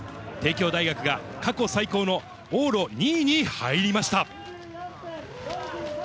帝京大学が過去最高の往路２位に入りました。